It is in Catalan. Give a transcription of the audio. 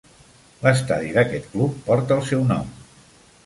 L'estadi d'aquest club porta el seu nom.